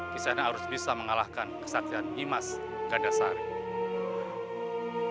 kisah nama harus bisa mengalahkan kesatian nimas gandasari